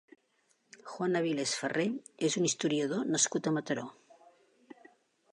Juan Avilés Farré és un historiador nascut a Mataró.